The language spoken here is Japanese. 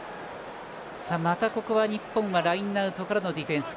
またここは日本ラインアウトからのディフェンス。